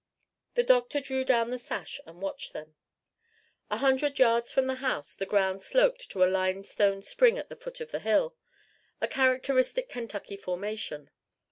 The doctor drew down the sash and watched them. A hundred yards from the house the ground sloped to a limestone spring at the foot of the hill a characteristic Kentucky formation.